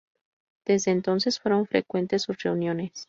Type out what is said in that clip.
Desde entonces fueron frecuentes sus reuniones.